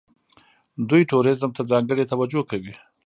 دوی ټوریزم ته ځانګړې توجه کوي.